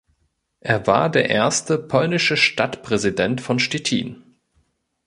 Er war der erste polnische Stadtpräsident von Stettin.